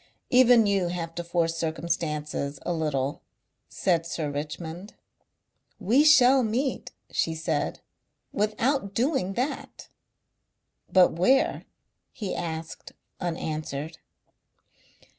"Even you have to force circumstances a little," said Sir Richmond. "We shall meet," she said, "without doing that." "But where?" he asked unanswered....